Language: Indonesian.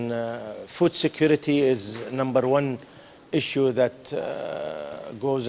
dan keamanan makanan adalah masalah nomor satu